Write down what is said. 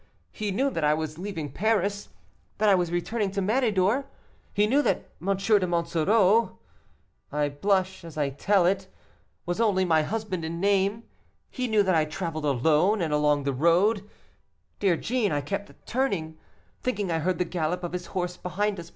He knew that I was leaving Paris, that I was returning to Méridor; he knew that M. de Monsoreau I blush as I tell it was only my husband in name; he knew that I traveled alone; and along the road, dear Jeanne, I kept turning, thinking I heard the gallop of his horse behind us.